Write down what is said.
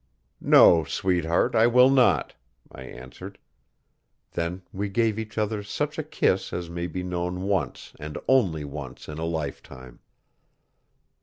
'No, sweetheart, I will not,' I answered. Then we gave each other such a kiss as may be known once and only once in a lifetime.